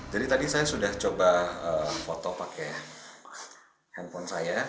jadi tadi saya sudah coba foto pakai handphone saya